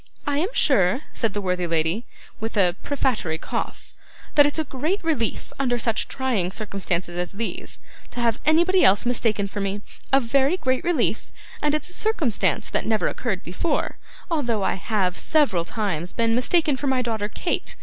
'I am sure,' said the worthy lady, with a prefatory cough, 'that it's a great relief, under such trying circumstances as these, to have anybody else mistaken for me a very great relief; and it's a circumstance that never occurred before, although I have several times been mistaken for my daughter Kate.